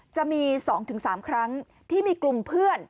จะมีสองถึงสามครั้งที่มีกลุ่มเพื่อน